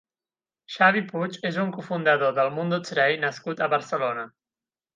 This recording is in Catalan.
Xavi Puig és un cofundador d'El Mundo Today nascut a Barcelona.